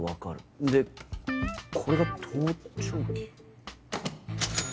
でこれが盗聴器。